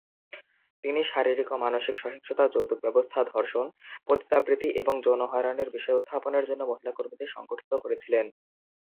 তিনি শারীরিক ও মানসিক সহিংসতা, যৌতুক ব্যবস্থা, ধর্ষণ, পতিতাবৃত্তি এবং যৌন হয়রানির বিষয় উত্থাপনের জন্য মহিলা কর্মীদের সংগঠিত করেছিলেন।